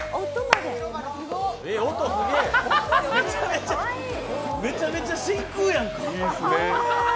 めちゃめちゃ真空やん。